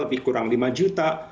lebih kurang lima juta